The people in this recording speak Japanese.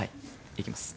いきます。